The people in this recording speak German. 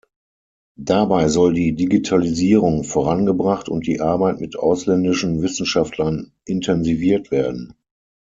Dabei soll die Digitalisierung vorangebracht und die Arbeit mit ausländischen Wissenschaftlern intensiviert werden.